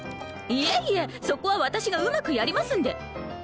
いえいえそこは私がうまくやりますんで！